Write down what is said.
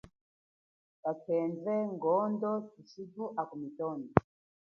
Kakhendwe, ngondo thushitu akumitondo.